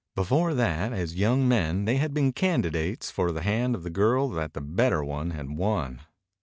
Before that, as young men, they had been candidates for the hand of the girl that the better one had won.